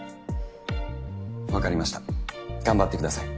わかりました頑張ってください。